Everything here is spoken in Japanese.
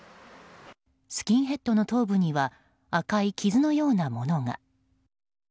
スキンヘッドの頭部には赤い傷のようなものが。